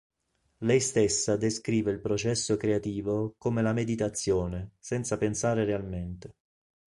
Lei stessa descrive il processo creativo "come la meditazione, senza pensare realmente".